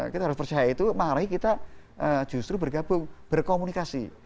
kita harus percaya itu mari kita justru bergabung berkomunikasi